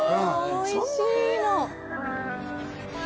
そんなに？